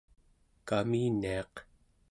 kaminiaq